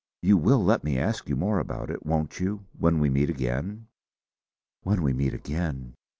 You will let me ask you more about it, won't you, when we meet again?" When we meet again!